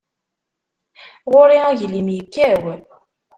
Ɣur-i aglim yekkaw.